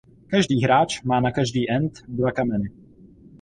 Každý hráč má na každý end dva kameny.